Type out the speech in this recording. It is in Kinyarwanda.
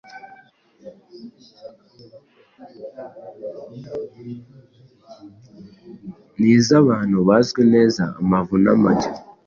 Ni iz’abantu bazwi neza amavu n’amajyo,